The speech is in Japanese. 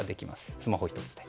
スマホ１つで。